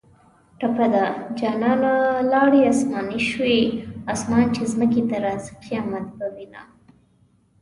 ټپه ده: جانانه لاړې اسماني شوې اسمان چې ځمکې ته راځۍ قیامت به وینه